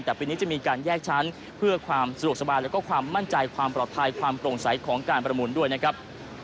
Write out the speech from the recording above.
แต่ปีนี้จะมีการแยกชั้นเพื่อความสะดวกสบายแล้วก็ความมั่นใจความปลอดภัยความโปร่งใสของการประมูลด้วยนะครับ